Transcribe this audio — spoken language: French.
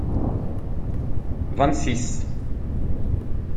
Vingt-six.